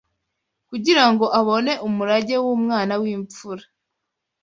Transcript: Kugira ngo abone umurage w’umwana w’imfura